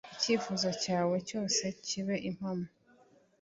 Icyifuzo cyawe cyose kibe impamo